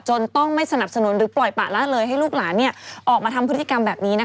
ต้องไม่สนับสนุนหรือปล่อยปะละเลยให้ลูกหลานออกมาทำพฤติกรรมแบบนี้